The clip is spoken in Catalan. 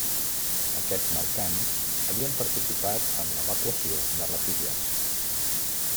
Aquests mercants havien participat en l'evacuació de refugiats.